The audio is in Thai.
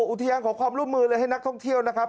อุทยานขอความร่วมมือเลยให้นักท่องเที่ยวนะครับ